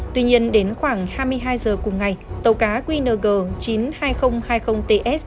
tuy nhiên đến khoảng hai mươi hai giờ cùng ngày tàu cá qng chín mươi hai nghìn hai mươi ts